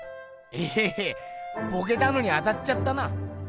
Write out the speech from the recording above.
えヘヘボケたのに当たっちゃったな！